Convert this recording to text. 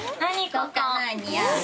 ここ」。